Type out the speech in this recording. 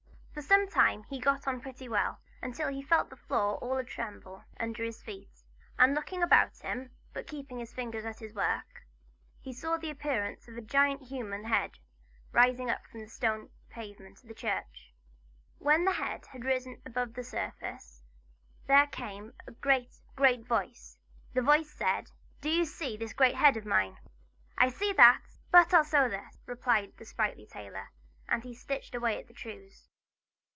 For some time he got on pretty well, until he felt the floor all of a tremble under his feet; and looking about him, but keeping his fingers at work, he saw the appearance of a great human head rising up through the stone pavement of the church. And when the head had risen above the surface, there came from it a great, great voice. And the voice said: "Do you see this great head of mine?" "I see that, but I'll sew this!" replied the sprightly tailor; and he stitched away at the trews.